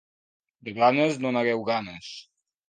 De Blanes no n'hagueu ganes.